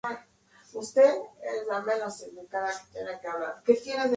Orchids" Ill.